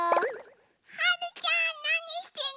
はるちゃんなにしてんの？